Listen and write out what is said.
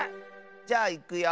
じゃあいくよ。